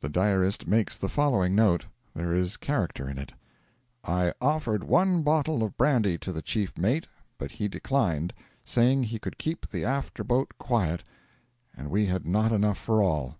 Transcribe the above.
The diarist makes the following note there is character in it: 'I offered one bottle of brandy to the chief mate, but he declined, saying he could keep the after boat quiet, and we had not enough for all.'